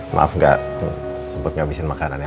maaf gak sebut ngabisin makanannya